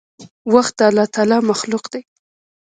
وخت د الله تعالي مخلوق دی.